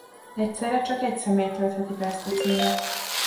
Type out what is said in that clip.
Egyszerre csak egy személy töltheti be ezt a címet.